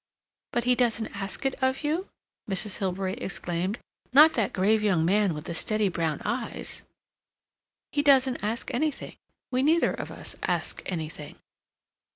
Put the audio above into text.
"But he doesn't ask it of you?" Mrs. Hilbery exclaimed. "Not that grave young man with the steady brown eyes?" "He doesn't ask anything—we neither of us ask anything."